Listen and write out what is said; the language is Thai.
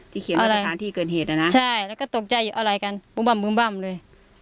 ที่เขียนวัตถานที่เกินเหตุนะใช่แล้วก็ตกใจอะไรกันบุ้มเลย